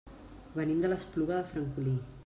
Venim de l'Espluga de Francolí.